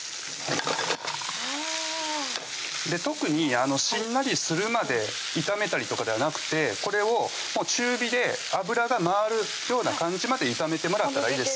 うわ特にしんなりするまで炒めたりとかではなくてこれを中火で油が回るような感じまで炒めてもらったらいいです